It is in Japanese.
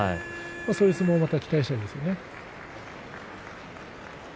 そういう相撲をまた期待したいですね。